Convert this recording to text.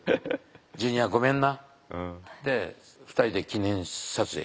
ジュニアごめんな」って２人で記念撮影。